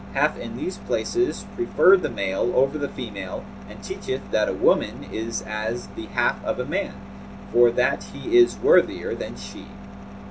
hath in these places preferred the male over the female and teacheth that a woman is as the half of a man, for that he is worthier than she.